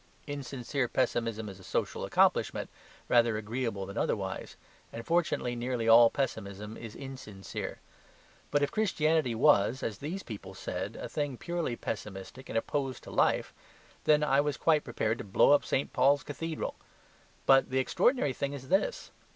Insincere pessimism is a social accomplishment, rather agreeable than otherwise; and fortunately nearly all pessimism is insincere. But if Christianity was, as these people said, a thing purely pessimistic and opposed to life, then I was quite prepared to blow up St. Paul's Cathedral. But the extraordinary thing is this.